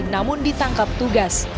namun ditangkap tugas